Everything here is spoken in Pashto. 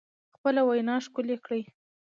خپله وینا ښکلې کړئ